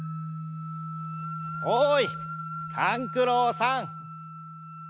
おい勘九郎さん！